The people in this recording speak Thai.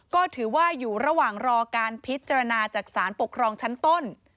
ก็ถือว่าอยู่ระหว่างรอการพิจารณาจากสารปกครองชั้นต้น